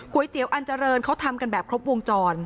เตี๋ยวอันเจริญเขาทำกันแบบครบวงจร